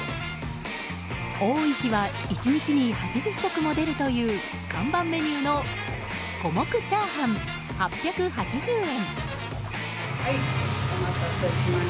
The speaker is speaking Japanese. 多い日は１日に８０食も出るという看板メニューの五目炒飯、８８０円。